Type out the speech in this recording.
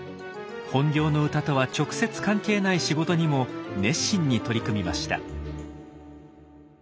本業の歌とは直接関係ない仕事にも熱心に取り組みました。